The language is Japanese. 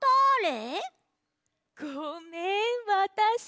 ごめんわたし。